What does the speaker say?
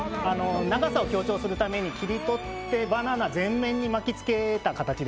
長さを強調するために切り取ってバナナ全面に巻きつけた形ですね。